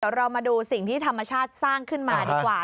เดี๋ยวเรามาดูสิ่งที่ธรรมชาติสร้างขึ้นมาดีกว่า